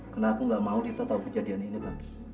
karena aku gak mau dia tahu kejadian ini tante